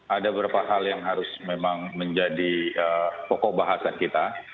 ada beberapa hal yang harus memang menjadi pokok bahasan kita